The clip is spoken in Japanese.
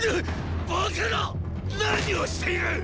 何をしている！